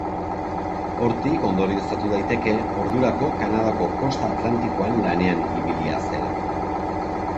Hortik ondorioztatu daiteke, ordurako Kanadako kosta atlantikoan lanean ibilia zela.